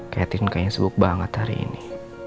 ketin kayaknya sibuk banget hari ini